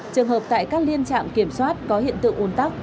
trường hợp tại các liên trạm kiểm soát có hiện tượng ồn tắc